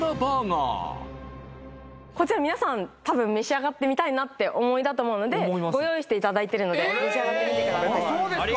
こちら皆さん多分召し上がってみたいなってお思いだと思うのでご用意していただいてるので召し上がってみてくださいああ